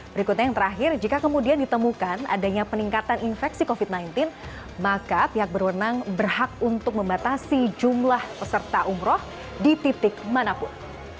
berikutnya yang terakhir jika kemudian ditemukan adanya peningkatan infeksi covid sembilan belas maka pihak berwenang berhak untuk membatasi jumlah peserta umroh di titik manapun